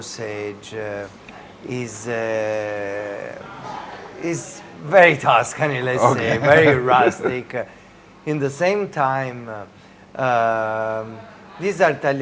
กับธรรมฟัมเลยที่สัมมินิาต้า